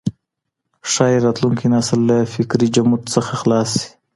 ښايي راتلونکی نسل له فکري جمود څخه خلاص سي.